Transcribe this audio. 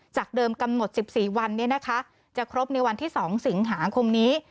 เดิมกำหนด๑๔วันจะครบในวันที่๒สิงหาคมนี้